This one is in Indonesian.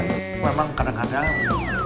emang kena kacau